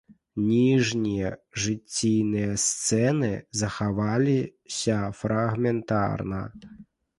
Ніжнія жыційныя сцэны захаваліся фрагментарна.